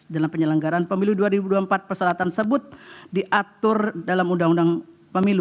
dalam penyelenggaran pemilu dua ribu dua puluh empat persyaratan sebut diatur dalam undang undang pemilu